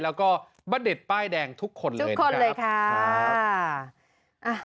แล้วก็บ้าเด็ดป้ายแดงทุกคนเลยครับทุกคนเลยครับ